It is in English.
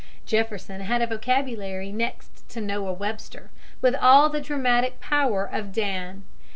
Jefferson had a vocabulary next to Noah Webster, with all the dramatic power of Dan.